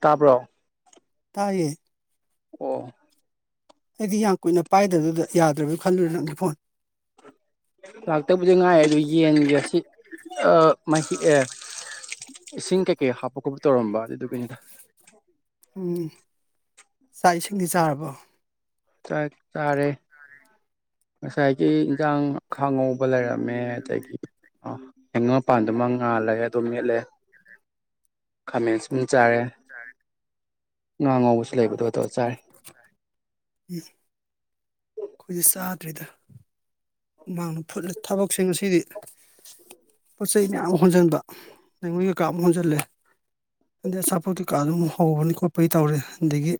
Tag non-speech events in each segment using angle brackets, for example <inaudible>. ꯇꯥꯔꯕ ꯇꯥꯏꯌꯦ ꯑꯣ ꯑꯩꯗꯤ ꯌꯥꯝ ꯀꯨꯏꯅ ꯄꯥꯏꯗꯕꯗꯨꯗ ꯌꯥꯗ꯭ꯔꯕꯗꯨ ꯈꯜꯂꯨꯔꯦ ꯅꯪꯗꯤ ꯐꯣꯟ ꯂꯥꯛꯇꯕꯨꯗꯤ ꯉꯥꯏ ꯑꯗꯨ ꯌꯦꯟꯒꯦ ꯑꯁꯤ ꯃꯍꯤ ꯑꯦ ꯏꯁꯤꯡ ꯀꯩꯀꯩ ꯍꯥꯞꯄ ꯈꯣꯠꯄ ꯇꯧꯔꯝꯕ ꯑꯗꯨꯗꯨꯒꯤꯅꯤꯣꯗ ꯎꯝ ꯆꯥꯛ ꯏꯁꯤꯡꯗꯤ ꯆꯥꯔꯕꯣ ꯆꯥꯔꯦ ꯉꯁꯥꯏꯒꯤ ꯍꯛꯆꯥꯡ ꯈꯥꯡꯉꯧꯕ ꯂꯩꯔꯝꯃꯤ ꯃꯦ ꯑꯗꯒꯤ ꯑ ꯍꯉꯣꯄꯥꯟꯗꯨꯃꯉꯥꯜꯂꯒ ꯍ ꯇꯣ ꯌꯦꯂꯦ ꯈꯃꯦꯁ ꯆꯔꯦ ꯉꯉ ꯂꯩꯕꯗꯣꯇꯣ ꯆꯥꯔ ꯌꯦ ꯑꯩꯈꯣꯏꯁꯦ ꯆꯥꯗ꯭ꯔꯤꯗ ꯃꯍꯥꯛꯥꯡꯅ ꯐꯨꯠꯂꯤ ꯊꯕꯛꯁꯤꯡ ꯑꯁꯤꯗꯤ ꯄꯣꯠ ꯆꯩꯩ ꯃꯌꯥꯝ ꯍꯣꯟꯖꯟꯕ ꯂꯩꯉꯣꯏ ꯀꯩꯀꯥ ꯑꯃ ꯍꯣꯟꯖꯜꯂꯦ ꯀꯗꯁꯞꯄꯨꯇꯤ ꯀꯥꯗ ꯍꯧꯕꯅꯤ ꯈꯣꯠꯄꯒꯤ ꯇꯧꯔꯦ ꯑꯗꯒꯤ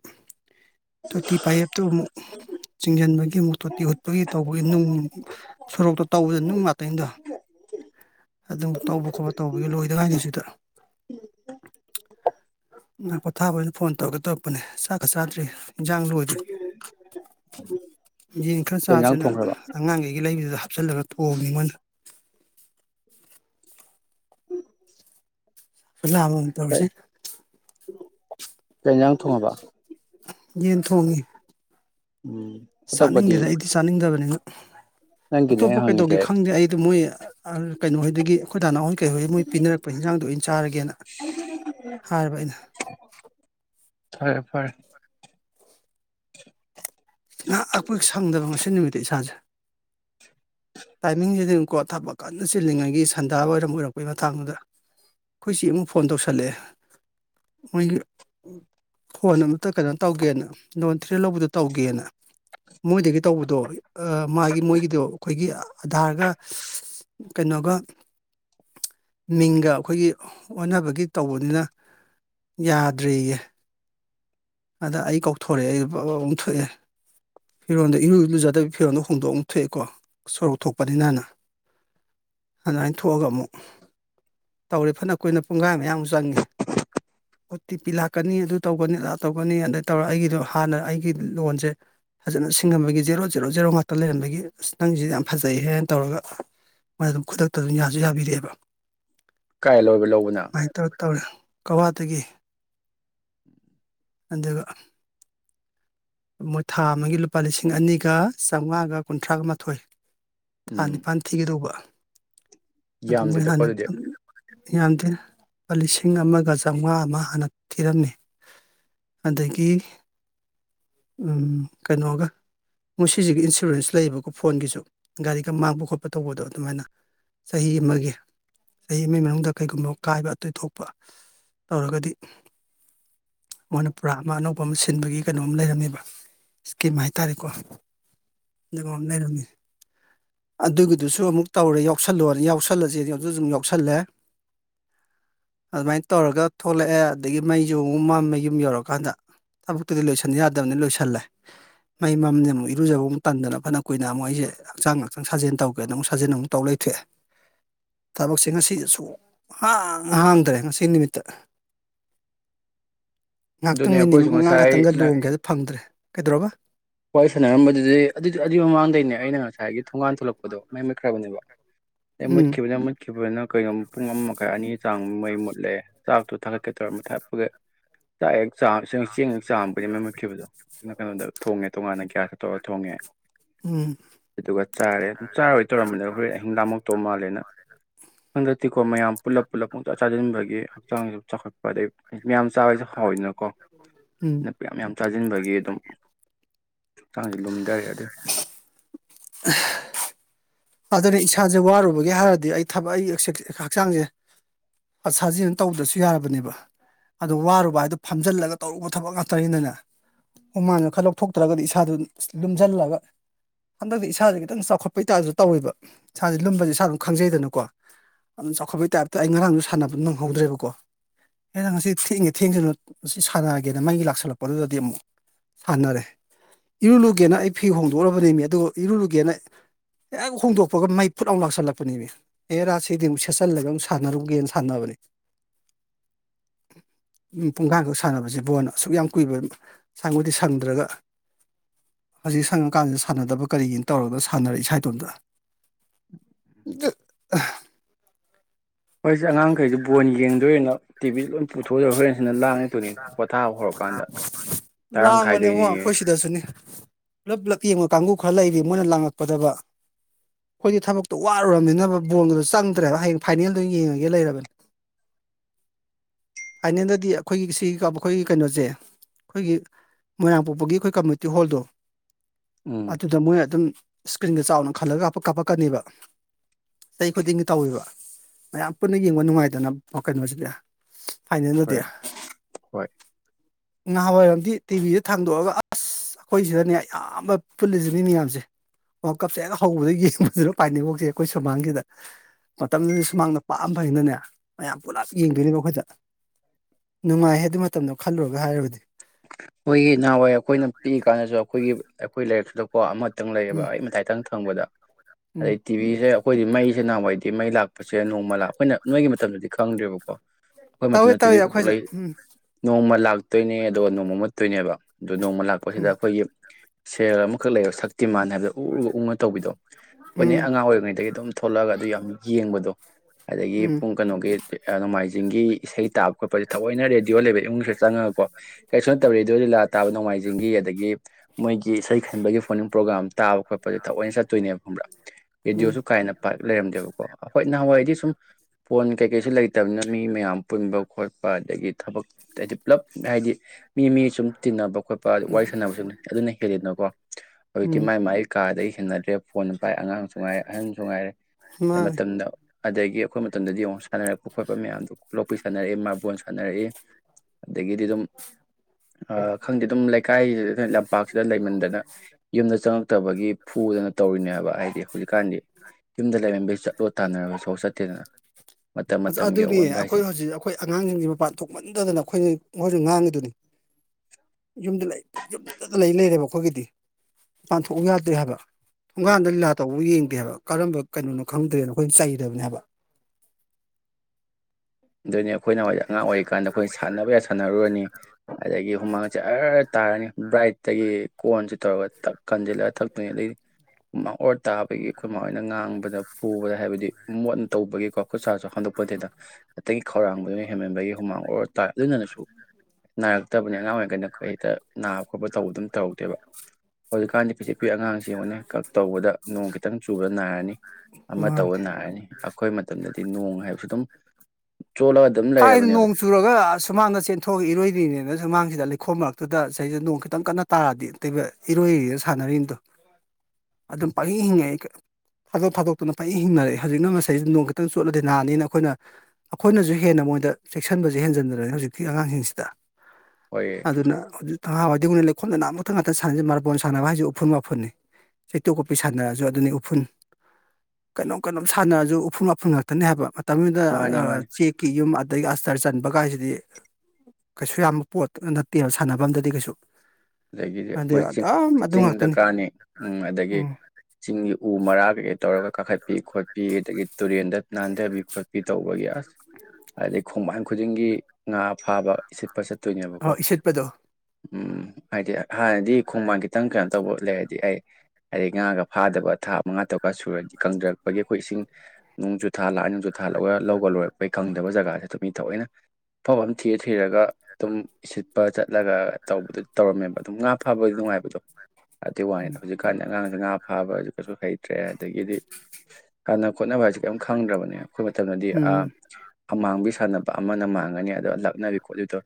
ꯇꯣꯇꯤ ꯄꯥꯌꯦꯞꯇꯨ ꯑꯃꯨꯛ ꯆꯤꯡꯁꯤꯟꯕꯒꯤ ꯑꯃꯨꯛ ꯇꯣꯇꯤ ꯍꯨꯠꯄꯒꯤ ꯇꯧꯕꯒꯤ ꯅꯨꯡ ꯁꯣꯔꯣꯛꯇꯣ ꯇꯧꯕꯗ ꯅꯨꯡ ꯉꯥꯛꯇꯅꯤꯗꯣ ꯑꯗꯨꯝ ꯇꯧꯕ ꯈꯣꯠꯄ ꯇꯧꯕꯒꯤ ꯂꯣꯏꯗꯉꯥꯏꯅꯤ ꯁꯤꯗ ꯉꯥꯛ ꯄꯣꯊꯥꯕꯅ ꯐꯣꯟ ꯇꯧꯒ ꯇꯧꯔꯛꯄꯅꯦ ꯆꯥꯛꯀ ꯆꯥꯗ꯭ꯔꯤ ꯏꯟꯖꯥꯡ ꯂꯣꯏꯗ ꯌꯦꯟ ꯈꯔ ꯀꯩ ꯏꯟꯖꯥꯡ ꯆꯥꯁꯤꯅ ꯊꯣꯡꯈ꯭ꯔꯕ ꯑꯩꯒꯤ ꯂꯩꯕꯗꯨꯗ ꯍꯥꯞꯆꯤꯜꯂꯒ ꯊꯣꯛꯣꯛꯑꯕ ꯃꯤꯉꯣꯟꯗ ꯂꯥꯝꯃꯕꯅꯤ ꯇꯧꯔꯤꯁꯦ ꯀꯩꯩꯅꯪ ꯊꯉꯕ ꯌꯦꯟ ꯊꯣꯡꯉꯤ ꯎꯝ ꯑꯇꯣꯞꯄꯗꯤ ꯆꯥꯅꯤꯡꯗꯦꯗ ꯑꯩꯗꯤ ꯆꯥꯅꯤꯡꯗꯕꯅꯤ ꯅꯪꯒꯤꯅꯦ ꯑꯇꯣꯞꯄ ꯑꯩꯅ ꯀꯩꯗꯧꯒꯦ ꯍꯪꯉꯤꯁꯦ ꯈꯪꯗꯦ ꯑꯩꯗꯣ ꯃꯣꯏ ꯀꯩꯅꯣꯍꯣꯏꯗꯒꯤ ꯑꯩꯈꯣꯏ ꯇꯅꯥꯍꯣꯏ ꯀꯩꯍꯣꯏ ꯃꯣꯏ ꯄꯤꯅꯔꯛꯄ ꯍꯟꯖꯥꯡꯗꯣ ꯑꯩꯅ ꯆꯥꯔꯒꯦꯅ ꯍꯥꯏꯔꯕ ꯑꯩꯅ ꯐꯔꯦ ꯐꯔꯦ ꯉꯍꯥꯛ ꯑꯩꯄꯣꯏ ꯁꯪꯗꯕꯁ ꯅꯨꯃꯤꯠ ꯇꯩ ꯁꯥꯖ ꯇꯥꯏꯃꯤꯡꯁꯤꯗꯀꯣ ꯊꯕꯛ ꯀꯟꯅ ꯆꯤꯜꯂꯤꯉꯩꯒꯤ ꯁꯟꯗꯥ ꯋꯥꯏꯔꯝ ꯑꯣꯏꯔꯛꯄꯩ ꯃꯇꯥꯡꯗꯨꯗ ꯑꯩꯈꯣꯏꯁꯤ ꯑꯃꯨꯛ ꯐꯣꯟ ꯇꯧꯁꯜꯂꯛꯑꯦ ꯃꯣꯏꯒꯤ ꯐꯣꯟ ꯑꯃꯇ ꯀꯩꯅꯣ ꯇꯧꯒꯦꯅ ꯂꯣꯟ ꯊꯤꯔꯦ ꯂꯧꯕꯗꯣ ꯇꯧꯒꯦꯅ ꯃꯣꯏꯗꯒꯤ ꯇꯧꯕꯗꯣ ꯃꯥꯒꯤ ꯃꯣꯏꯒꯤꯗꯣ ꯑꯩꯈꯣꯏꯒꯤ ꯑꯙꯔꯒ ꯀꯩꯅꯣꯒ ꯃꯤꯡꯒ ꯑꯩꯈꯣꯏꯒꯤ ꯑꯣꯟꯅꯕꯒꯤ ꯇꯧꯕꯅꯤꯅ ꯌꯥꯗ꯭ꯔꯔꯤꯌꯦ ꯑꯗ ꯑꯩ ꯀꯥꯎꯊꯣꯔꯛꯑꯦ ꯑꯩ ꯄ ꯑꯃꯨꯛ ꯊꯣꯛꯑꯦ ꯐꯤꯔꯣꯟꯜꯗꯣ ꯏꯔꯨ ꯏꯔꯨꯖꯗꯕ ꯐꯤꯔꯣꯟꯜꯗꯣ ꯍꯣꯡꯗꯣꯛ ꯑꯃꯨ ꯊꯣꯛꯑꯦꯀꯣ ꯁꯣꯔꯣꯛ ꯊꯣꯛꯄꯅꯤꯅꯅ ꯑꯗꯨꯃꯥꯏꯅ ꯊꯣꯛꯑꯒ ꯑꯃꯨꯛ ꯇꯧꯔꯦ ꯐꯅ ꯀꯨꯏꯅ ꯄꯨꯡꯈꯥꯏ ꯃꯌꯥꯝ ꯑꯃ ꯆꯪꯉꯦ ꯑꯣ ꯇꯤ ꯄꯤ ꯂꯥꯛꯀꯅꯤ ꯑꯗꯨ ꯇꯧꯒꯅꯤ ꯑꯗ ꯇꯧꯒꯅꯤ ꯑꯗꯩ ꯇꯧꯔꯒ ꯑꯩꯒꯤꯗꯣ ꯍꯥꯟꯅ ꯑꯩꯒꯤ ꯂꯣꯟꯁꯦ ꯐꯖꯅ ꯁꯤꯡꯉꯝꯕꯒꯤ ꯖꯦꯔꯣ ꯖꯦꯔꯣ ꯖꯦꯔꯣ ꯉꯥꯛꯇ ꯂꯩꯔꯝꯕꯒꯤ ꯑꯁ ꯅꯪꯁꯤꯗꯤ ꯌꯥꯝ ꯐꯖꯩ ꯍꯥꯏꯅ ꯇꯧꯔꯒ ꯃ ꯑꯗꯨꯝ ꯈꯨꯗꯛꯇ ꯑꯗꯨꯝ ꯌꯥꯁꯨ ꯌꯥꯕꯤꯔꯛꯑꯦꯕ ꯀꯥꯏ ꯂꯣꯏꯕ ꯂꯧꯕꯅꯣ ꯀꯧꯋꯥꯇꯗꯒꯤ ꯑꯗꯨꯒꯒ ꯃꯣꯏ ꯊꯥ ꯑꯃꯒꯤ ꯂꯨꯄꯥ ꯂꯤꯁꯤꯡ ꯑꯅꯤꯒ ꯆꯥꯝꯃꯉꯥꯒ ꯀꯨꯟꯊ꯭ꯔꯥꯒ ꯃꯥꯊꯣꯏ ꯊꯥ ꯎꯝ ꯅꯤꯄꯥꯜ ꯊꯤꯒꯗꯧꯕ ꯑꯗꯨ ꯃꯣꯏ ꯌꯥꯝꯗꯦꯗꯀꯣ ꯍꯥꯟꯅ ꯑꯗꯨꯗꯤ ꯑꯗꯨ ꯌꯥꯝꯗꯦ ꯂꯨꯄꯥ ꯂꯤꯁꯤꯡ ꯑꯃꯒ ꯆꯥꯝꯃꯉꯥ ꯑꯃ ꯍꯥꯟꯅ ꯊꯤꯔꯝꯃꯤ ꯑꯗꯒꯤ ꯎꯝ ꯀꯩꯅꯣꯒ ꯃꯣꯏ ꯁꯤꯁꯤꯒꯤ ꯏꯟꯁꯨꯔꯦꯟꯁ ꯂꯩꯌꯦꯕꯀꯣ ꯐꯣꯟꯒꯤꯁꯨ ꯒꯥꯔꯤꯒ ꯃꯥꯡꯕ ꯈꯣꯠꯄ ꯇꯧꯕꯗꯣ ꯑꯗꯨꯃꯥꯏꯅ ꯆꯍꯤ ꯑꯃꯒꯤ ꯆꯍꯤ ꯑꯃꯒꯤ ꯃꯅꯨꯡꯗ ꯀꯩꯒꯨꯝꯕ ꯀꯥꯏꯕ ꯑꯇꯣꯏ ꯊꯣꯛꯣꯛꯄ ꯇꯧꯔꯒꯗꯤ ꯃꯣꯏꯅ ꯄꯨꯔꯥ ꯑꯃ ꯑꯅꯧꯕ ꯑꯃ ꯁꯤꯟꯕꯒꯤ ꯀꯩꯅꯣꯝ ꯂꯩꯔꯝꯃꯦꯕ ꯏꯁꯀꯤꯝ ꯍꯥꯏꯇꯥꯔꯦꯀꯣ ꯑꯗꯨꯒ ꯑꯃ ꯂꯩꯔꯝꯃꯤ ꯑꯗꯨꯒꯤꯗꯨꯁꯨ ꯑꯃꯨꯛ ꯇꯧꯔꯦ ꯌꯥꯎꯁꯜꯂꯣꯅꯤ ꯌꯥꯎꯁꯜꯂꯁ ꯑꯗꯨ ꯁꯨꯝ ꯌꯥꯎꯁꯜꯂꯦ ꯑꯗꯨꯃꯥꯏꯅ ꯇꯧꯔꯒ ꯊꯣꯛꯂꯛꯑꯦ ꯑꯗꯒꯤ ꯃꯩꯁꯨ ꯑꯃꯨꯛ ꯃ ꯃꯌꯨꯝ ꯌꯧꯔꯀꯥꯟꯗ ꯊꯕꯛ ꯇꯨꯗꯤ ꯂꯣꯏꯁꯤꯟ ꯌꯥꯗꯕꯅꯤ ꯂꯣꯏꯁꯤꯜꯂꯦ ꯃꯩ ꯃꯝꯅꯤ ꯑꯃꯨꯛ ꯏꯔꯨꯖꯕ ꯑꯃꯨꯛ ꯇꯟꯗꯅ ꯐꯅ ꯀꯨꯏꯅ ꯑꯃꯨꯛ ꯑꯩꯁꯦ ꯍꯛꯆꯥꯡ ꯍꯛꯆꯥꯡ ꯁꯥꯖꯦꯜ ꯇꯧꯒꯦꯗ ꯑꯃꯨꯛ ꯁꯥꯖꯦꯜ ꯑꯃꯨꯛ ꯇꯧ ꯂꯩꯊꯣꯛꯑꯦ ꯊꯕꯛꯁꯦ ꯉꯁꯤꯗꯁꯨ ꯍꯥꯡ ꯍꯥꯡꯗ꯭ꯔꯦ ꯉꯁꯤ ꯅꯨꯃꯤꯠꯇ ꯉꯥꯏꯍꯥꯛꯇꯪꯃꯤꯅꯤꯃꯤꯠ ꯃꯉꯥꯒ ꯋꯥꯔꯤꯏ ꯁꯥꯟꯅꯔꯝꯕꯗꯨꯗꯤ ꯑꯗꯨꯏ ꯃꯃꯥꯡꯗꯩꯅꯦ ꯑꯩꯅ ꯍꯥꯏꯥꯏꯦ ꯊꯣꯡꯒꯥꯟ ꯊꯣꯛꯂꯛꯄꯗꯣ ꯃꯦꯝꯃꯛꯈ꯭ꯔꯕꯅꯦꯕ ꯎꯝ ꯌꯥꯝꯃꯈꯤꯕꯕꯅꯦ ꯀꯠꯈꯤꯕꯗꯨꯅ ꯀꯩꯒꯨꯝꯕ ꯄꯨꯡ ꯑꯃ ꯃꯈꯥꯏ ꯑꯅꯤ ꯆꯥꯡ ꯃꯩ ꯃꯨꯠꯂꯛꯑꯦ ꯆꯥꯛꯇꯣ ꯊꯥꯒꯠꯀꯦ ꯇꯧꯔ ꯃ ꯊꯥꯠꯄꯒꯦ ꯆ ꯆꯥ ꯁ ꯆꯦꯡ ꯆꯥꯃꯨꯛꯩ ꯃꯦꯝꯃꯛꯠꯈꯤꯕꯗꯣ ꯁꯅ ꯀꯩꯅꯣꯗꯧ ꯊꯣꯡꯉꯦ ꯇꯣꯉꯥꯟꯅ ꯀꯌꯥ ꯈ ꯇꯧꯔꯒ ꯊꯣꯡꯉꯦ ꯎꯝ ꯑꯗꯨꯒ ꯆꯥꯔꯦ ꯑꯗꯨ ꯆꯥꯔꯣꯏ ꯇꯧꯔꯝꯕꯅꯤꯅ ꯍꯈꯣꯏ ꯑꯍꯤꯡ ꯂꯥꯝꯃꯧꯛꯇꯧ ꯃꯥꯜꯂꯦꯅ ꯍꯟꯗꯛꯇꯤꯀꯣ ꯃꯌꯥꯝ ꯄꯨꯂꯞ ꯄꯨꯂꯞ ꯄꯨꯛꯇ ꯆꯥꯁꯤꯟꯕꯒꯤ ꯒꯤ ꯍꯛꯆꯥꯡꯁꯨ ꯆꯥꯎꯈꯠꯄ ꯑꯗꯩ ꯌꯥꯝꯌꯥꯝ ꯆꯥꯎꯋꯦꯁꯨ ꯎꯝ ꯍꯥꯎꯏꯅꯀꯣꯌꯥꯝ ꯌꯥꯝ ꯇꯥꯁꯤꯟꯕꯒꯤ ꯑꯗꯨꯝ ꯍꯛꯆꯥꯡꯁ ꯂꯨꯝꯊꯔꯦ ꯑꯗꯗꯤ <unintelligible> ꯑꯗꯨꯅ ꯏꯁꯥꯁꯦ ꯋꯥꯔꯨꯕꯒꯦ ꯍꯥꯏꯔꯗꯤ ꯑꯩ ꯊꯕꯛ ꯑꯩ ꯍꯛꯆꯥꯡꯁꯦ ꯁꯥꯖꯤꯅ ꯇꯧꯗ꯭ꯔꯁꯨ ꯌꯥꯔꯕꯅꯦꯕ ꯑꯗꯣ ꯋꯥꯔꯨꯕ ꯍꯥꯏꯗꯣ ꯐꯝꯖꯤꯜꯂꯒ ꯇꯧꯔꯨꯕ ꯊꯕꯛ ꯉꯥꯛꯇꯅꯤꯅꯅꯦ ꯍꯨꯃꯥꯡꯗ ꯈꯔ ꯂꯧꯊꯣꯛꯇ꯭ꯔꯒꯗꯤ ꯏꯁꯥꯗꯨ ꯂꯨꯝꯁꯤꯜꯂꯒ ꯍꯟꯗꯛꯇꯤ ꯏꯁꯥꯁꯦ ꯈꯤꯇꯪ ꯆꯥꯎꯈꯠꯄꯩ ꯇꯥꯔꯁꯨ ꯇꯧꯋꯦꯕ ꯏꯁꯥꯁꯦ ꯂꯨꯝꯕꯁ ꯏꯁꯥ ꯑꯗꯨꯝ ꯈꯪꯖꯩꯗꯅꯀꯣ ꯑꯗꯨꯝ ꯆꯥꯎꯈꯠꯄꯩ ꯇꯥꯏꯞꯇ ꯑꯩ ꯉꯔꯥꯡꯁꯨ ꯁꯥꯟꯅꯕ ꯅꯪꯍꯧꯗ꯭ꯔꯦꯕꯀꯣ ꯍꯟꯅ ꯉꯁꯤ ꯊꯦꯡꯉꯦ ꯊꯦꯡꯁꯤꯅ ꯉꯁꯤ ꯁꯥꯟꯅꯔꯒꯦꯅ ꯃꯒꯤ ꯂꯥꯛꯁꯜꯂꯛꯄꯗꯨꯗꯗꯤ ꯑꯃꯨꯛ ꯁꯥꯟꯅꯔꯦ ꯏꯔꯨꯜꯂꯨꯒꯦꯅ ꯑꯩ ꯐꯤ ꯍꯣꯡꯗꯣꯛꯎꯔꯕꯅꯤꯃꯤ ꯑꯗꯨꯒ ꯏꯔꯨꯂꯨꯒꯦꯅ ꯑꯦ ꯍꯣꯡꯗꯣꯛꯄꯒ ꯃꯩ ꯐꯨꯠ ꯑꯃꯨ ꯂꯥꯛꯁꯜꯂꯛꯄꯅꯦꯃꯤ ꯑꯦ ꯔꯥ ꯁꯤꯗꯤ ꯑꯃꯨꯛ ꯁꯦꯠꯆꯜꯂꯒ ꯑꯃꯨꯛ ꯁꯥꯟꯅꯔꯨꯒꯦꯅ ꯁꯥꯟꯅꯕꯅꯦ ꯄꯨꯡꯈꯥꯟꯈꯛ ꯁꯥꯟꯅꯕꯁꯤꯦ ꯕꯣꯅ ꯑꯁꯨꯛ ꯌꯥꯝ ꯀꯨꯏꯕ ꯁꯥꯏꯕꯨꯗꯤ ꯁꯪꯗ꯭ꯔꯒ ꯍꯧꯖꯤꯛ ꯁꯪꯉꯀꯥꯟꯁꯤꯗ ꯁꯥꯟꯅꯗꯕ ꯀꯔꯤꯒꯤꯅ ꯇꯧꯔꯒ ꯁꯥꯟꯅꯔꯛꯏ ꯏꯁꯥ ꯇ ꯑꯩꯣꯏꯁꯦ ꯑꯉꯥꯡꯈꯩꯁ ꯕꯣꯟ ꯌꯦꯡꯗꯣꯏꯔꯤꯅ ꯇꯤꯚꯤ ꯂꯣꯏ ꯄꯨꯊꯣꯛꯑ ꯍꯣꯔꯦꯟꯁꯤꯅ ꯂꯥꯡꯉꯛꯇꯣꯏꯅꯤ ꯄꯣꯊꯥꯕ ꯍꯧꯔꯛꯀꯥꯟꯗ ꯂꯥꯡꯕꯅꯦ ꯉꯣ ꯇꯔꯥꯈꯥꯏꯗꯅꯦ ꯑꯩꯈꯣꯏ ꯁꯤꯗꯁꯨꯅꯤ ꯄꯨꯂꯞ ꯄꯨꯂꯞ ꯌꯦꯡꯕ ꯀꯥꯡꯕꯨ ꯈꯔ ꯂꯩꯔꯤ ꯃꯣꯏꯅ ꯂꯥꯡꯉꯛꯄꯗꯕ ꯑꯩꯈꯣꯏꯗꯤ ꯊꯕꯛꯇꯣ ꯋꯥꯔꯨꯔꯝꯅꯤꯅꯕ ꯕꯣꯜꯗꯨꯗꯣ ꯆꯪꯗ꯭ꯔꯦꯕ ꯍꯌꯦꯡ ꯐꯥꯏꯅꯦꯜꯗꯨ ꯌꯦꯡꯉꯒ ꯂꯩꯔꯕꯅꯤ ꯑꯅꯦꯗꯗꯤ ꯑꯩꯈꯣꯏꯒꯤ ꯁꯤ ꯑꯩꯈꯣꯏꯒꯤ ꯀꯩꯅꯣꯁꯦ ꯑꯩꯈꯣꯏꯒꯤ ꯃꯣꯏꯔꯥꯡ ꯄꯣꯛꯄꯒꯤ ꯑꯩꯈꯣꯏ ꯀꯝꯃꯨꯅꯤꯇꯤ ꯍꯣꯜꯗꯣ ꯎꯝ ꯑꯗꯨꯗ ꯃꯣꯏ ꯑꯗꯨꯝ ꯏꯁꯀ꯭ꯔꯤꯟꯒ ꯆꯥꯎꯅ ꯈꯜꯂꯒ ꯀꯥꯞꯄꯛ ꯀꯥꯞꯄꯛꯀꯅꯦꯕ ꯆꯍꯤ ꯈꯨꯗꯤꯡꯒꯤ ꯇꯧꯋꯦꯕ ꯃꯌꯥꯝ ꯄꯨꯟꯅ ꯌꯦꯡꯕ ꯅꯨꯡꯉꯥꯏꯗꯅ ꯀꯩꯅꯣꯁꯤꯗꯤ ꯍꯣꯏ ꯐꯥꯏꯅꯦꯜꯗꯗꯦ ꯍꯣꯏ ꯉ ꯍꯕꯔꯝꯗꯤ ꯇꯤꯚꯠ ꯊꯥꯡꯗꯣꯛꯑꯒ ꯑꯁ ꯑꯩꯈꯣꯏ ꯁꯤꯗꯅꯦ ꯑꯌꯥꯝꯕ ꯄꯨꯜꯂꯤꯁꯤꯅꯤ ꯃꯌꯥꯝꯁꯦ ꯋꯥꯔꯜ ꯀꯞꯁꯦ ꯍꯦꯛ ꯍꯧꯕꯗ ꯌꯦꯡꯕꯗꯨꯅ ꯄꯥꯏꯅꯩꯐꯣꯛꯁꯦ ꯑꯩꯈꯣꯏ ꯁꯨꯃꯥꯡꯁꯤꯗ ꯃꯇꯝꯗꯨꯗ ꯁꯨꯃꯥꯡꯗ ꯄꯥꯛꯑ ꯐꯩꯅꯅꯦ ꯃꯌꯥꯝ ꯄꯨꯂꯞ ꯌꯦꯡꯗꯣꯏꯅꯦꯕ ꯑꯩꯈꯣꯏꯁ ꯅꯨꯡꯉꯥꯏ ꯍꯥꯏ ꯑꯗꯨ ꯃꯇꯝꯗꯣ ꯈꯜꯂꯨꯔꯒ ꯍꯥꯏꯔꯕꯗꯤ ꯑꯩꯈꯣꯏꯒꯤ ꯅꯍꯥꯟꯋꯥꯏ ꯑꯩꯈꯣꯏꯅ ꯄꯤꯛꯏ ꯀꯥꯟꯗꯁꯨ ꯑꯩꯈꯣꯏꯒꯤ ꯑꯩꯈꯣꯏ ꯂꯩꯥꯏꯔꯤꯛꯁꯤꯗꯀꯣ ꯑꯃ ꯈꯤꯇꯪ ꯂꯩꯌꯦꯕ ꯎꯝ ꯑꯩ ꯃꯇꯊꯥꯏ ꯈꯤꯇꯪ ꯊꯪꯕꯗ ꯎꯝ ꯑꯗꯩ ꯇꯤꯚꯁꯦ ꯑꯩꯈꯣꯏꯗꯤ ꯃꯩ ꯁꯤꯆ ꯅꯍꯋꯥꯏꯗꯤ ꯃꯩ ꯂꯥꯛ ꯇꯁꯦ ꯅꯣꯡꯃꯂꯥ ꯑꯩꯈꯣꯏꯅ ꯅꯣꯏꯒꯤ ꯃꯇꯝꯗꯗꯤ ꯈꯪꯗ꯭ꯔꯦꯕꯀꯣ ꯑꯩꯈꯣꯏ ꯇꯧꯋꯤ ꯃꯇꯝꯟꯅꯊꯤꯕꯤ ꯇꯧꯋꯤ ꯈꯛꯛ ꯑꯩꯈꯣꯏꯁꯨ ꯂꯩ ꯎꯝ ꯅꯣꯡꯃ ꯂ ꯣꯏꯅꯦ ꯑꯗ ꯅꯣꯡꯃ ꯃꯨꯠꯇꯣꯏꯅꯦꯕ ꯑꯗꯨ ꯅꯣꯡꯃ ꯂꯥꯛꯄꯁꯤꯗ ꯎꯝ ꯑꯩꯈꯣꯏꯒꯤ ꯁꯦꯦꯜ ꯑꯃꯈꯛ ꯂꯩꯕꯣ ꯁꯛꯇꯤꯃꯥꯟ ꯍꯥꯏꯕꯗꯣ ꯎꯔꯨꯒ ꯎꯉ ꯇꯧꯕꯤꯗꯣ ꯍꯣꯏꯅꯦ ꯎꯝ ꯑꯉꯥꯡ ꯑꯣꯏꯔꯤꯉꯩꯗꯒꯤ ꯑꯗꯨꯝ ꯊꯣꯛꯂꯛꯑꯒ ꯑꯗꯨ ꯌꯥꯝ ꯌꯦꯡꯕꯗꯣ ꯑꯗꯒꯤ ꯎꯝ ꯄꯨꯡ ꯀꯩꯅꯣꯒꯤ ꯅꯣꯡꯃꯥꯏꯖ ꯤꯡꯒꯤ ꯏꯁꯩ ꯇꯥꯞ ꯈꯣꯠꯁ ꯊꯑꯣꯏꯅ ꯔꯦꯗꯤꯑꯣ ꯂꯩꯕ ꯏꯃꯨꯡꯁꯤꯗ ꯆꯪꯉꯒꯀꯣ ꯀꯩꯁꯨꯨꯝ ꯇꯧꯦꯗꯣꯏ ꯂꯤꯂꯥ ꯇꯥꯕ ꯅꯣꯡꯃꯥꯏꯖꯤꯡꯒꯤ ꯑꯗꯒꯤ ꯃꯣꯏꯒꯤ ꯏꯁꯩ ꯈꯟꯕꯒꯤ ꯐꯣꯟꯅꯤꯡ ꯄ꯭ꯔꯣꯒꯥꯝ ꯇꯥꯕ ꯈꯣꯠꯄꯁꯦ ꯊꯑꯣꯏꯅ ꯆꯠꯇꯣꯏꯅꯦꯕ ꯈꯪꯕ꯭ꯔꯥ ꯔꯦꯗꯤꯑꯣꯁꯨ ꯎꯝ ꯀꯥ ꯍꯟꯅ ꯄ ꯂꯩꯔꯝꯗꯦꯕꯀꯣ ꯑꯩꯈꯣꯏ ꯅꯍꯥꯟꯋꯥꯏꯗꯤ ꯁꯨꯝ ꯐꯣꯟ ꯀꯩꯀꯩꯁꯨ ꯂꯩꯇꯕꯅꯤꯅ ꯃꯤ ꯃꯌꯥꯝ ꯄꯨꯟꯕ ꯈꯣꯠꯄ ꯑꯗꯒꯤ ꯊꯕꯛ ꯍꯥꯏꯗꯤ ꯄꯨꯂꯞ ꯍꯥꯏꯗꯤ ꯃꯤ ꯃꯤ ꯁꯨꯝ ꯇꯤꯟꯅꯕ ꯈꯣꯠꯄ ꯋꯥꯔꯤ ꯁꯥꯟꯅꯕ ꯁꯨꯝ ꯑꯗꯨꯅ ꯍꯦꯜꯂꯤꯅꯀꯣ ꯍꯧꯖꯤꯛꯇꯤ ꯎꯝ ꯃꯥꯏ ꯃꯥꯏ ꯀꯥꯗꯒꯤ ꯁꯦꯟꯅꯗ꯭ꯔꯦ ꯐꯣꯟ ꯄꯥꯏ ꯑꯉꯥꯡꯁꯨ ꯉꯥꯏꯔꯦ ꯑꯍꯟꯁꯨ ꯉꯥꯏꯔꯦ ꯑꯗꯨ ꯃꯥꯅꯤ ꯃꯇꯝꯗ ꯑꯗꯒꯤ ꯑꯩꯈꯣꯏ ꯃꯇꯝꯗꯗꯤ ꯌꯦꯡꯉꯨꯁ ꯁꯥꯟꯅꯛꯄ ꯈꯣꯠꯄ ꯃꯌꯥꯝꯗꯨ ꯄꯨꯂ ꯄ ꯁꯥꯟꯅꯔꯛꯏ ꯃꯥꯥꯏꯕꯣꯣꯟ ꯁꯥꯟꯅꯔꯛꯏ ꯑꯗꯒꯤꯗꯤ ꯑꯗꯨꯝ ꯑ ꯈꯪꯗꯦ ꯑꯗꯨꯝ ꯂ ꯂꯩꯀꯥꯏꯁꯤꯗ ꯂꯝꯄꯥꯛꯁꯤꯗ ꯂꯩꯃꯟꯗꯅ ꯌꯨꯝꯗ ꯆꯪꯉꯛꯇꯕꯒꯤ ꯐꯨꯗꯅ ꯇꯧꯔꯤꯅꯦꯕ ꯍꯥꯏꯗꯤ ꯍꯧꯖꯤꯛꯀꯥꯟꯗꯤ ꯌꯨꯝꯗ ꯂꯩꯃꯟꯕ ꯆꯠꯂꯣ ꯇꯥꯟꯅꯔꯒ ꯁꯣꯛ ꯆꯠꯇꯦꯗꯅ ꯃꯇꯝ ꯃꯇꯝꯒꯤ ꯑꯗꯨꯅꯤ ꯑꯑꯣꯟꯕ ꯍꯥꯏꯁꯦ ꯑꯩꯈꯣꯏ ꯍꯧꯖꯤꯛ ꯑꯩꯈꯣꯏ ꯑꯉꯥꯡꯁꯤꯡꯁꯤ ꯃꯄꯥꯟ ꯊꯣꯛꯃꯟꯗꯗꯅ ꯑꯩꯈꯣꯏꯅ ꯃꯣꯏꯁꯨ ꯉꯥꯡꯉꯤꯗꯨꯅꯤ ꯌꯨꯝꯗ ꯂꯩꯥꯏ ꯌꯨꯝꯊꯅ ꯂꯩ ꯂꯩꯔꯦꯕ ꯑꯩꯈꯣꯏꯒꯤꯗꯤ ꯃꯄꯥꯟ ꯊꯣꯛꯣꯛꯎ ꯌꯥꯗ꯭ꯔꯦ ꯍꯥꯏꯕ ꯊꯣꯡꯒꯥꯟꯗ ꯂꯤꯂꯥ ꯇꯧꯕ ꯌꯦꯡꯗꯦ ꯍꯥꯏꯕ ꯀꯔꯝꯕ ꯀꯩꯅꯣꯅꯣ ꯈꯪꯗ꯭ꯔꯦꯅꯣ ꯑꯩꯈꯣꯏ ꯆꯩꯗꯕꯅꯦ ꯍꯥꯏꯕ ꯅ ꯑꯩꯈꯣꯏꯅ ꯍꯧ ꯑꯉꯥꯡ ꯑꯣꯏꯔꯤꯀꯥꯟꯗ ꯑꯩꯈꯣꯏ ꯁꯥꯟꯅꯕ ꯌꯥ ꯁꯥꯟꯅꯔꯨꯔꯅꯤ ꯑꯗꯒꯤ ꯍꯨꯃꯥꯡꯁꯦ ꯑꯔ ꯇꯥꯔꯅꯤ ꯕ꯭ꯔꯥꯏꯠꯇꯒꯤ ꯀꯣꯟꯟꯁꯦ ꯇꯧꯔꯒ ꯀꯟꯁꯤꯜꯂꯒ ꯊꯛꯇꯣꯏꯅꯤ ꯑꯗꯩꯗꯤ ꯍꯨꯃꯥꯡ ꯑꯣꯔ ꯇꯥꯕꯒꯤ ꯈꯨꯈꯣꯏꯃꯥꯡꯣꯏꯅ ꯉꯥꯡꯕꯗ ꯐꯨꯕꯗ ꯍꯥꯏꯕꯗꯤ ꯃꯣꯠꯅ ꯇꯧꯕꯒꯤꯀꯣ ꯈꯨꯠꯁꯁꯨ ꯑꯟꯗꯣꯛꯄꯣꯊꯗ ꯑꯇꯩꯒꯤ ꯈꯧꯔꯥꯡꯕꯗꯨꯅ ꯍꯦꯟꯃꯦꯟꯕꯒꯤ ꯍꯨꯃꯥꯡ ꯑꯣꯏꯔ ꯇꯥ ꯑꯗꯨꯅꯁꯨ ꯅꯥꯏꯔꯛꯇꯕꯅꯤ ꯑꯉꯥꯡ ꯑꯣꯏꯔꯤꯉꯩꯗ ꯀ ꯍꯦꯛꯇ ꯅꯥꯕ ꯈꯣꯠꯄ ꯇꯧꯕ ꯑꯗꯨꯝ ꯇꯧꯔꯛꯇꯦꯕ ꯍꯧꯖꯤꯛꯀꯥꯟꯗꯤ ꯐꯤꯖꯤ ꯐꯤ ꯑꯉꯥꯡꯁꯤ ꯌꯦꯡꯉꯅꯦ ꯀꯛ ꯇꯧꯕꯗ ꯅꯣꯡ ꯈꯤꯇꯪ ꯆꯨꯕꯗ ꯅꯥꯏꯔꯅꯤ ꯑꯃ ꯃꯥꯅꯦ ꯇꯧꯕ ꯅꯥꯏꯔꯅꯤ ꯑꯩꯈꯣꯏ ꯃꯇꯝꯗꯗꯤ ꯅꯣꯡ ꯇ ꯀꯥꯏꯅ ꯅꯣꯡ ꯆꯨꯔꯒ ꯁꯨꯃꯥꯡꯅ ꯆꯦꯟꯊꯣꯛ ꯏꯔꯣꯏꯔꯤꯅꯦꯅ ꯍꯛꯃꯥꯡꯁꯤꯗ ꯂꯩꯈꯣꯝ ꯃꯔꯛꯇꯨꯗ ꯏꯁꯩꯁꯤꯗ ꯅꯣꯡ ꯈꯤꯇꯪ ꯀꯟꯅ ꯇꯥꯔꯑꯗꯤ ꯑꯩꯕ ꯏꯔꯣꯏꯔꯤꯅ ꯁꯥꯟꯅꯔꯤꯅꯤꯗꯣ ꯑꯗꯨꯝ ꯄꯥꯛꯤꯡ ꯍꯤꯡꯉꯛꯑꯏ ꯊꯥꯗꯣꯛ ꯊꯥꯗꯣꯛꯇꯨꯅ ꯄꯪꯤꯡ ꯍꯤꯡꯅꯔꯛꯑꯦ ꯍꯧꯖꯤꯛꯅ ꯃꯁꯤꯁꯁꯤ ꯅꯣꯡ ꯈꯤꯇꯪ ꯆꯣꯠꯂꯗꯤ ꯅꯥꯅꯤꯅ ꯑꯩꯈꯣꯏꯅ ꯑꯩꯈꯣꯏꯅꯁꯨ ꯍꯦꯟꯅ ꯃꯣꯏꯗ ꯆꯦꯛꯁꯤꯟꯕꯁꯦ ꯍꯦꯟꯖꯤꯟꯟꯅꯔꯅꯤ ꯍꯧꯖꯤꯛꯤꯀꯤ ꯑꯉꯥꯡꯁꯤꯡꯁꯤꯗ ꯍꯣꯏ ꯑꯗꯨꯅ ꯍꯧꯖꯤ ꯊꯪꯍꯥꯋꯥꯏꯗꯤꯒꯅ ꯂꯩꯈꯣꯝꯗꯅꯅꯥꯝ ꯑꯃꯨꯛꯇ ꯉꯥꯛꯇ ꯁꯥꯟꯅꯖꯁꯦ ꯃꯥꯔꯕꯣꯟꯜ ꯁꯥꯟꯅꯕ ꯍꯥꯏꯁꯨ ꯎꯐꯨꯟ ꯋꯥꯄꯨꯅꯤ ꯆꯩꯇꯣꯛꯀꯣꯠꯄꯤ ꯁꯥꯟꯅꯔꯁꯨ ꯑꯗꯨꯅꯤ ꯎꯐꯨꯟ ꯀꯩꯅꯣꯝ ꯀꯩꯅꯣꯝ ꯁꯥꯟꯅꯔꯁꯨ ꯎꯐꯨꯟ ꯋꯥꯐꯨꯟ ꯉꯥꯛꯇꯅꯤ ꯍꯥꯏꯕ ꯇꯃꯤꯗ ꯃꯥꯅꯦ ꯃꯥꯅꯦ ꯆꯦꯛ ꯌꯨꯝ ꯑꯗꯒꯤ ꯑꯁꯇꯔ ꯆꯟꯕ ꯀꯥꯏꯁꯤꯗꯤ ꯀꯩꯁꯨ ꯌꯥꯝꯕ ꯄꯣꯠꯇ ꯅꯠꯇꯦꯕ ꯁꯥꯟꯅꯅꯕ ꯑꯝꯗꯗꯤ ꯀꯩꯁꯨ ꯑꯗꯒꯤꯗꯤ ꯑꯗꯨ ꯑꯩꯈꯣꯏ ꯆꯤꯡ ꯑꯗꯨꯝ ꯑꯗꯨ ꯆꯤꯡ ꯉꯥꯛꯇꯅꯤ ꯗꯔꯀꯥꯔꯅꯤ ꯎ ꯑꯗꯒꯤ ꯎꯝ ꯆꯤꯡꯒꯤ ꯎ ꯃꯔꯥ ꯀꯩꯀꯩ ꯇꯧꯔꯒ ꯀꯥꯈꯠꯄꯤ ꯈꯣꯠꯄꯤ ꯑꯗꯒꯤ ꯇꯨꯔꯦꯟꯗ ꯅꯥꯟꯊꯕꯤ ꯈꯣꯠꯄꯤ ꯇꯧꯕꯒꯤ ꯑꯁ ꯑꯗꯤ ꯈꯣꯡ ꯃ ꯈꯨꯗꯤꯡꯒꯤ ꯉꯥ ꯐꯥꯕ ꯏ ꯁꯤꯠꯄꯁꯤꯠ ꯑ ꯏꯁꯠꯄꯗꯣ ꯎꯝ ꯍꯥꯏꯗꯤ ꯍꯥꯟꯅꯗꯤ ꯈꯣꯡꯕꯥꯟ ꯈꯤꯇꯪ ꯀꯩꯅꯣ ꯇꯧꯕ ꯂꯩꯔꯗꯤ ꯑꯩ ꯍꯥꯏꯗꯤ ꯉꯥꯒ ꯐꯥꯗꯕ ꯊꯥ ꯃꯉꯥ ꯇꯔꯨꯛ ꯁꯨꯔꯗꯤ ꯀꯪꯊꯔꯛꯄꯒꯤ ꯑꯩꯈꯣꯏ ꯏꯁꯤꯡ ꯅꯣꯡꯖꯨ ꯊꯥꯜ ꯂꯥꯛꯑꯅꯤꯅꯨ ꯊꯥꯠꯂꯒ ꯂꯧꯕ ꯂꯣꯏꯔꯄꯩ ꯀꯪꯗꯕ ꯖꯒꯥꯁꯦ ꯑꯗꯨꯝꯃꯤ ꯊꯑꯣꯏꯅ ꯑꯐꯕ ꯑꯃ ꯊ ꯊꯔꯒ ꯑꯗꯨꯝ ꯏꯁꯤꯠꯄ ꯆꯠꯂꯒ ꯇꯧꯕꯗꯨ ꯇꯧꯔꯝꯃꯦꯕ ꯑꯗꯨꯝ ꯉꯥ ꯐꯥꯕꯗꯤ ꯅꯨꯡꯉꯥꯏꯕꯗꯣ ꯑꯗꯨꯇꯩ ꯎꯝ ꯋꯥꯅꯤꯗ ꯍꯧꯖꯤꯛꯀꯥꯟꯗ ꯑꯉꯥꯡꯁꯦ ꯉꯥ ꯐꯥꯕꯁꯨ ꯀꯩꯁꯨ ꯍꯩꯇ꯭ꯔꯦ ꯑꯗꯒꯤꯗꯤ ꯁꯥꯟꯅ ꯈꯣꯠꯅꯕ ꯍꯥꯏꯁꯦ ꯀꯔꯤꯝ ꯈꯪꯗ꯭ꯔꯕꯅꯦ ꯑꯩꯈꯣꯏ ꯃꯇꯝꯗꯗꯤ ꯎꯝ ꯑꯃꯥꯡꯕꯤ ꯁꯥꯟꯅꯕ ꯑꯃꯅ ꯃꯥꯡꯉꯅꯤ ꯑꯗꯣ ꯍꯣꯠꯅꯕꯤ ꯈꯣꯠꯂꯤꯗꯣ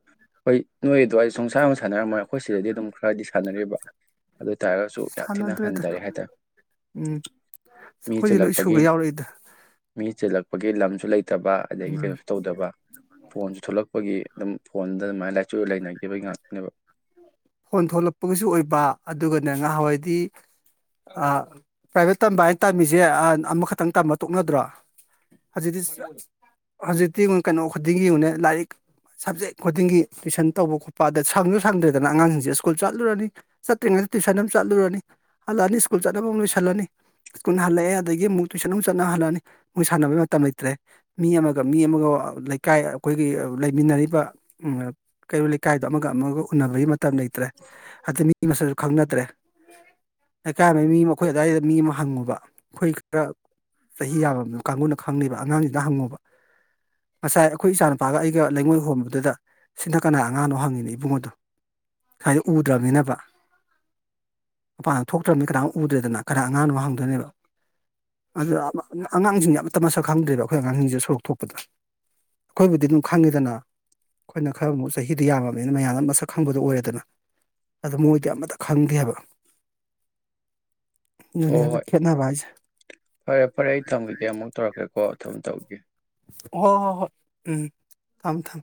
ꯍꯣꯏꯗꯣ ꯑꯩ ꯁꯣꯡꯁꯥ ꯅꯨꯡꯁꯥ ꯁꯥꯟꯅꯔ ꯑꯃ ꯑꯩꯈꯣꯏ ꯁꯤꯗꯗꯤ ꯑꯗꯨꯝ ꯈꯔꯗꯤ ꯁꯥꯟꯅꯔꯤꯕ ꯑꯗꯨ ꯑꯣꯏꯇꯥꯥꯔꯒꯁꯨ ꯌꯥꯝ ꯊꯤꯅ ꯁꯥꯟꯅꯗ꯭ꯔꯦꯗ ꯍꯟꯊꯔꯦ ꯍꯥꯏꯇꯥꯔꯦ ꯎꯝ ꯃꯤ ꯑꯩꯈꯣꯏꯗꯤ ꯂꯣꯏ ꯆꯨꯜꯂꯛꯄꯒꯤ ꯁꯨꯒ ꯌꯥꯎꯔꯛꯏꯗ ꯃꯤ ꯆꯜꯂꯛꯄꯒꯤ ꯂꯝꯁꯨ ꯂꯩꯇ ꯐꯠꯇꯕ ꯑꯗꯒꯤ ꯎꯝ ꯀꯩꯅꯣꯁꯨ ꯇꯧꯗꯕ ꯐꯣꯟꯁꯨ ꯊꯣꯛꯂꯛꯄꯒꯤ ꯑꯗꯨꯝ ꯐꯣꯟꯗ ꯑꯗꯨꯃꯥꯏꯅ ꯂꯥꯏꯆꯨ ꯂꯩꯅꯈꯤꯕꯒꯤ ꯉꯥꯛꯇꯅꯦꯕ ꯐꯣꯟ ꯊꯣꯛꯂꯛꯄꯒꯤꯁꯨ ꯑꯣꯏꯕ ꯑꯗꯨꯒꯅꯦ ꯉꯥꯏꯍꯥꯟꯋꯥꯏꯗꯤ ꯄ꯭ꯔꯥꯏꯚꯦꯠ ꯇꯝꯕ ꯍꯥꯏꯅ ꯇꯝꯃꯤꯁꯦ ꯑꯃꯈꯛꯇꯪ ꯇꯝꯕ ꯇꯣꯛꯅꯗ꯭ꯔꯣ ꯍꯧꯖꯤꯛꯇꯤ ꯍꯧꯖꯤꯛꯇꯤ ꯀꯩꯅꯣ ꯈꯨꯗꯤꯡꯒꯤꯅꯦ ꯂꯥꯏꯔꯤꯛ ꯁꯕꯖꯦꯛ ꯈꯨꯗꯤꯡꯒꯤ ꯇꯨꯏꯁꯟ ꯇꯧꯕ ꯈꯣꯠꯄ ꯑꯗ ꯁꯪꯁꯨ ꯁꯪꯗ꯭ꯔꯦꯗꯅ ꯑꯗꯨꯗ ꯑꯉꯥꯡꯁꯤꯡꯁꯦ ꯁ꯭ꯀꯨꯜ ꯆꯠꯂꯨꯔꯅꯤ ꯆꯠꯇ꯭ꯔꯤꯉꯩꯗ ꯇꯨꯏꯁꯟ ꯑꯃ ꯆꯠꯂꯨꯔꯅꯤ ꯍꯜꯂꯛꯑꯅꯤ ꯁ꯭ꯀꯨꯜ ꯆꯠꯅꯕ ꯑꯃꯛ ꯂꯣꯏꯁꯜꯂꯅꯤ ꯁ꯭ꯀꯨꯜ ꯍꯜꯂꯛꯑꯦ ꯑꯗꯒꯤ ꯑꯃꯨꯛ ꯇꯨꯏꯁꯟ ꯑꯃꯨ ꯆꯠꯅ ꯍꯜꯂꯛꯑꯅꯤ ꯃꯣꯏ ꯁꯥꯟꯅꯕꯒꯤ ꯃꯇꯝ ꯂꯩꯇ꯭ꯔꯦ ꯃꯤ ꯑꯃꯒ ꯃꯤ ꯑꯃꯒ ꯂꯩꯀꯥꯏ ꯑꯩꯈꯣꯏꯒꯤ ꯂꯩꯃꯤꯟꯅꯔꯤꯕ ꯀꯩꯔꯣꯜ ꯂꯩꯀꯥꯏꯗꯣ ꯑꯃꯒ ꯑꯃꯒ ꯎꯟꯅꯅꯕꯒꯤ ꯇ ꯂꯩꯇ꯭ꯔꯦ ꯑꯗꯩ ꯃꯤ ꯃꯁꯁꯨ ꯈꯪꯅꯗ꯭ꯔꯦ ꯂꯩꯀꯥꯏꯕ ꯃꯤ ꯑꯃ ꯃꯈꯣꯏ ꯑꯋꯥꯏꯗ ꯃꯤ ꯑꯃ ꯍꯪꯉꯨꯕ ꯑꯩꯈꯣꯏ ꯈꯔ ꯆꯍꯤ ꯌꯥꯝꯃ ꯀꯥꯡꯕꯨꯅ ꯈꯪꯉꯕ ꯑꯉꯥꯡꯁꯤꯅ ꯍꯪꯉꯨꯕ ꯉꯁꯥꯏ ꯑꯩꯈꯣꯏ ꯏꯆꯥ ꯅꯨꯨꯄꯥꯒ ꯑꯩꯒ ꯂꯩꯉꯣꯏ ꯍꯣꯟꯕꯗꯨꯗ ꯁꯤꯅ ꯀꯅꯥ ꯑꯉꯥꯡꯅꯣ ꯍꯪꯉꯤꯅꯦ ꯏꯕꯨꯡꯉꯣꯗꯣ ꯍꯥꯏꯏꯗꯤ ꯎꯗ꯭ꯔꯕꯅꯤꯅꯕ ꯃꯄꯥꯟꯗ ꯊꯣꯛꯇ꯭ꯔꯕꯅꯤ ꯀꯅꯥꯨꯛ ꯎꯗ꯭ꯔꯦꯗꯅ ꯀꯅꯥ ꯑꯉꯥꯡꯅꯣ ꯍꯪꯗꯣꯏꯅꯦꯕ ꯑꯗꯨꯗ ꯑꯉꯥꯡꯁꯤꯡꯁꯦ ꯑꯃꯠꯇ ꯃꯁꯛ ꯈꯪꯗ꯭ꯔꯦꯕ ꯑꯩꯈꯣꯏ ꯑꯉꯥꯡꯁꯤꯡꯁꯤꯦ ꯁꯣꯔꯣꯛ ꯊꯣꯛꯄꯗ ꯑꯩꯈꯣꯏꯕꯨꯗꯤ ꯑꯗꯨꯝ ꯈꯪꯉꯤꯗꯅ ꯑꯩꯈꯣꯏꯅ ꯈꯔ ꯑꯃꯨꯛ ꯆꯍꯤꯗ ꯌꯥꯝꯃꯕꯅꯤꯅ ꯃꯌꯥꯝꯗ ꯃꯁꯛ ꯈꯪ ꯈꯪꯕꯗ ꯑꯣꯏꯔꯦꯗꯅ ꯑꯗꯨ ꯃꯣꯏꯗꯤ ꯑꯃꯇ ꯈꯪꯗꯦ ꯍꯥꯏꯕ ꯍꯣ ꯍꯣꯏ ꯐꯔꯦ ꯐꯔꯦ ꯑꯩ ꯊꯝꯃꯒꯦ ꯑꯃꯨꯛ ꯇꯧꯔꯛꯀꯦ ꯍꯣ ꯊꯝ ꯇꯧꯒꯦ ꯍ ꯍꯣꯏ ꯍꯣꯏ ꯎꯝ ꯊꯝ ꯊꯝ